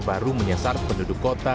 baru menyesat penduduk kota